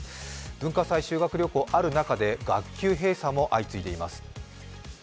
文化祭、修学旅行ある中で学級閉鎖も相次いでいます。